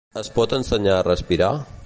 Es pot ensenyar a respirar?